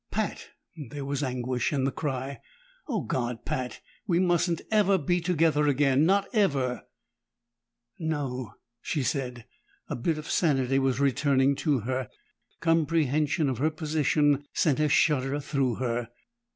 "Pat!" There was anguish in the cry. "Oh, God Pat! We mustn't ever be together again not ever!" "No," she said. A bit of sanity was returning to her; comprehension of her position sent a shudder through her.